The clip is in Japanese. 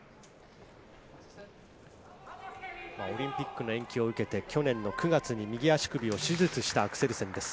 オリンピックの延期を受けて、去年の９月に右足首を手術したアクセルセンです。